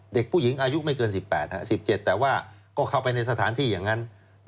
เด็กผู้หญิงอายุไม่เกิน๑๘๑๗แต่ว่าก็เข้าไปในสถานที่อย่างนั้น